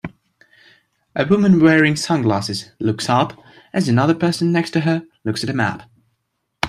A woman wearing sunglasses looks up as another person next to her looks at a map